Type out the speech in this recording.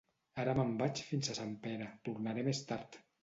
Ara me'n vaig fins a Sant Pere, tornaré més tard